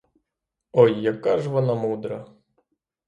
Ой, яка ж вона мудра!